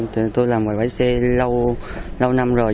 tôi làm bái xe lâu năm rồi